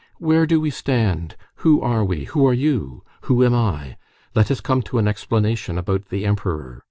Where do we stand? Who are we? Who are you? Who am I? Let us come to an explanation about the Emperor.